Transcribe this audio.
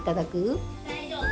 大丈夫？